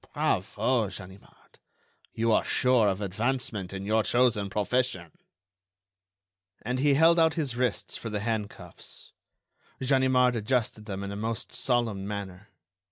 Bravo, Ganimard, you are sure of advancement in your chosen profession!" And he held out his wrists for the hand cuffs. Ganimard adjusted them in a most solemn manner.